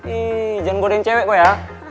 ih jangan ngodein cewek kok ya